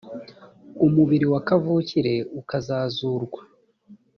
umubiri wa kavukire ukazazurwa